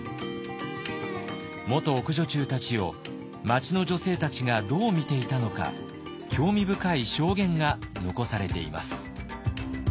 元奥女中たちを町の女性たちがどう見ていたのか興味深い証言が残されています。